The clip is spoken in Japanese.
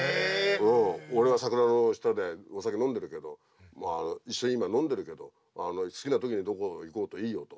「俺は桜の下でお酒飲んでるけどまあ一緒に今飲んでるけど好きな時にどこ行こうといいよ」と。